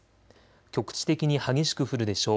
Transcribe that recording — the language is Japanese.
局地的に激しく降るでしょう。